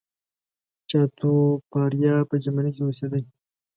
چاټوپاړیا په جرمني کې اوسېدی.